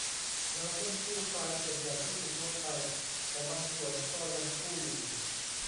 เราเพิ่งกู้ไฟล์ส่วนใหญ่ที่ถูกลบไป แต่บางส่วนก็ยังกู้อยู่